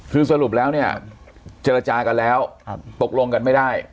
คือสรุปแล้วเนี่ยเจรจากันแล้วตกลงกันไม่ได้